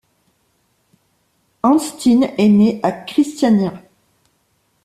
Hansteen est né à Christiania.